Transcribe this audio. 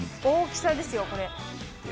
大きさですよこれ。